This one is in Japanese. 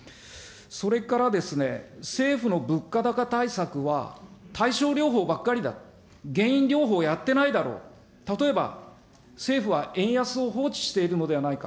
それからですね、政府の物価高対策は、対症療法ばっかりだ、原因療法をやってないだろう、例えば、政府は円安を放置しているのではないか。